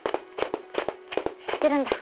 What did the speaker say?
知ってるんだ？